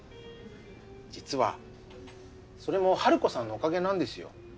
実はそれもハルコさんのおかげなんですよ。